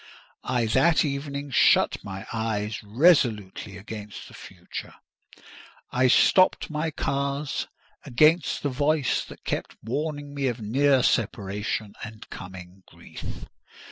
I that evening shut my eyes resolutely against the future: I stopped my ears against the voice that kept warning me of near separation and coming grief.